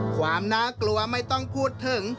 ความน่ากลัวไม่ต้องพูดถึง